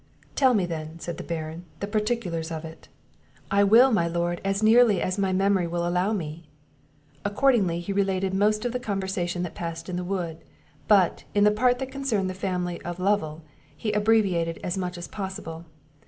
"Tell me then," said the Baron, "the particulars of it." "I will, my lord, as nearly as my memory will allow me." Accordingly he related most of the conversation that passed in the wood; but, in the part that concerned the family of Lovel, he abbreviated as much as possible.